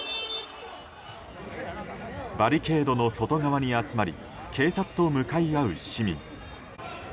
バリケードの外側に集まり警察と向かい合う市民。